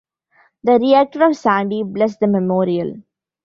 The rector of Sandy blessed the memorial.